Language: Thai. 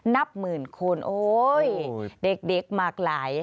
นับหมื่นคนโอ๊ยเด็กมากหลาย